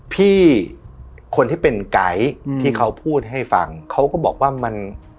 พี่คนที่เป็นไก๊ที่เขาพูดให้ฟังเขาก็บอกว่ามัน